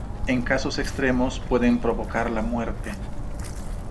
En casos extremos pueden provocar la muerte.